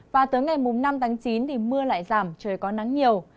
và tới ngày năm tháng chín thì mưa lại giảm trời có nắng nhiều